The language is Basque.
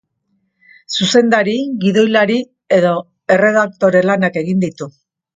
Zuzendari, gidoilari edo erredaktore lanak egin ditu.